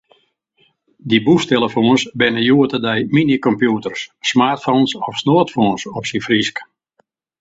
Display út.